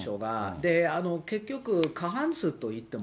で、結局過半数といっても、